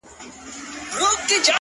له مودو وروسته يې کرم او خرابات وکړ’